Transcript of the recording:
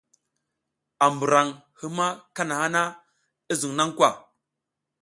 A mburan hima kanaha na, i zun na kwa ?